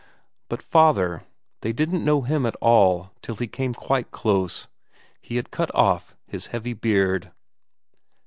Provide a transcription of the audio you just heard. But father they didn't know him at all till he came quite close. He had cut off his heavy beard.